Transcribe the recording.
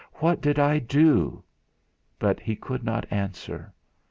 'What did I do?' But he could not answer.